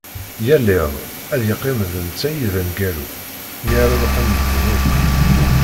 Yal iḍ ad yeqqim d netta i d aneggaru, mi ara ruḥen medden akk.